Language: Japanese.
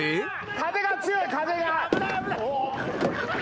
風が強い風が。